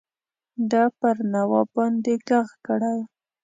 ده پر نواب باندي ږغ کړی.